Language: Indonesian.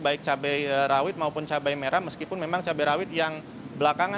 baik cabai rawit maupun cabai merah meskipun memang cabai rawit yang belakangan